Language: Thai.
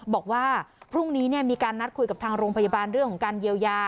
บอกว่าพรุ่งนี้มีการนัดคุยกับทางโรงพยาบาลเรื่องของการเยียวยา